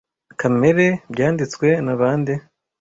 Kamere byanditswe na bande